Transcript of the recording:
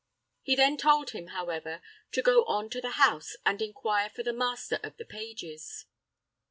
He then told him, however, to go on to the house and inquire for the master of the pages.